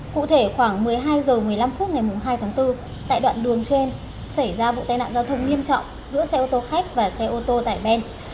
cụ thể khoảng một mươi hai h một mươi năm phút ngày hai tháng bốn tại đoạn đường trên xảy ra vụ tai nạn giao thông nghiêm trọng giữa xe ô tô khách và xe ô tô tải ben